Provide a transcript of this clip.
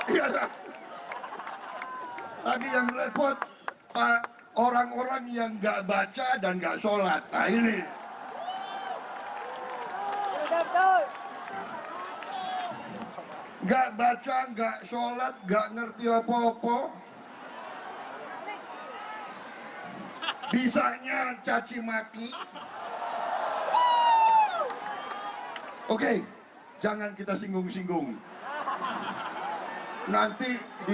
iya tapi yang repot orang orang yang gak baca dan gak sholat nah ini